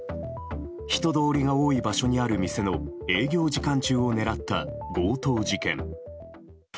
人通りが多い場所にある店の営業時間中を狙った強盗事件。